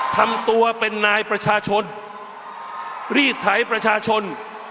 ทำตัวเป็นนายประชาชนรีดไถประชาชน